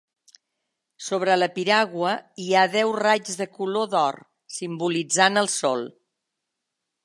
Sobre la piragua hi ha deu raigs de color d'or simbolitzant el sol.